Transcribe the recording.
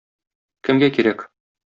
Кемгә кирәк?